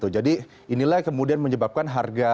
jadi inilah yang kemudian menyebabkan harga